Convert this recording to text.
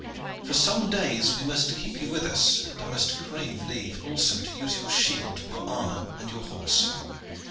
"For some days we must keep you with us; and I must crave leave also to use your shield, your armor, and your horse."